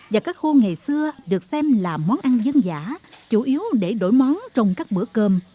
và các khô ngày xưa được xem là món ăn dân giả chủ yếu để đổi món trong các bữa cơm